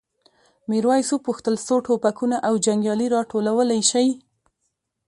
میرويس وپوښتل څو ټوپکونه او جنګیالي راټولولی شئ؟